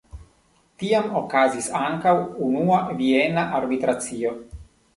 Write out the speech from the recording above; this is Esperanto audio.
Tiam okazis ankaŭ Unua Viena Arbitracio.